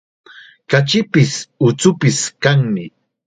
Kachipis, uchupis kanmi.